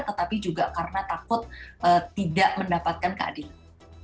tetapi juga karena takut tidak mendapatkan keadilan